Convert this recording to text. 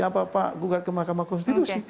gak apa apa gugat ke mahkamah konstitusi